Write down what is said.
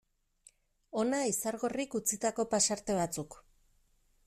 Hona Izargorrik utzitako pasarte batzuk.